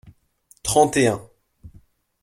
Trente et un.